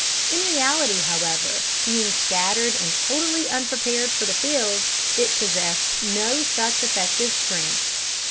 In reality, however, being scattered and totally unprepared for the field, it possessed no such effective strength.